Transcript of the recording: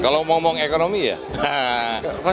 kalau ngomong ekonomi ya